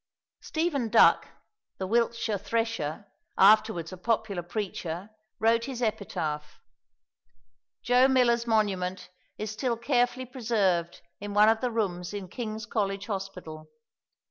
Stephen Duck, the Wiltshire thresher, afterwards a popular preacher, wrote his epitaph. Joe Miller's monument is still carefully preserved in one of the rooms in King's College Hospital.